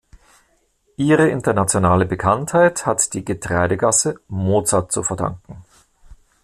Ihre internationale Bekanntheit hat die Getreidegasse Mozart zu verdanken.